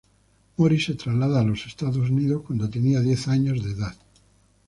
Mori se trasladó a los Estados Unidos cuando tenía diez años de edad.